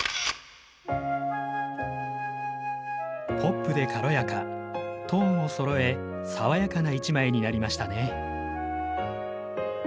ポップで軽やかトーンをそろえ爽やかな一枚になりましたね。